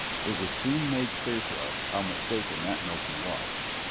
It was soon made clear to us how mistaken that notion was!